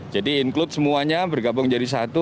jadi include semuanya bergabung jadi satu